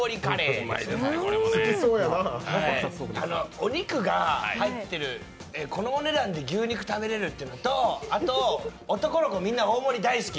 お肉が入ってる、このお値段で牛肉食べられるというのと男の子、みんな大盛り大好き！